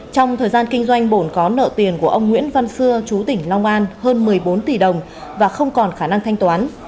trong thời gian kinh doanh bồn có nợ tiền của ông nguyễn văn sưa chú tỉnh long an hơn một mươi bốn tỷ đồng và không còn khả năng thanh toán